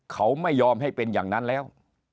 เขาไม่ยอมให้เป็นอย่างนั้นแล้ว